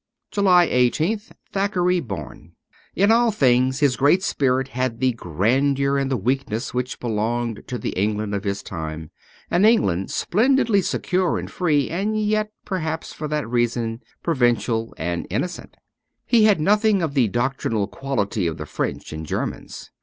JULY i8th THACKERAY BORN IN all things his great spirit had the grandeur and the weakness which belonged to the England of his time — an England splendidly secure and free, and yet (perhaps for that reason) provincial and innocent. He had nothing of the doctrinal quality of the French and Germans.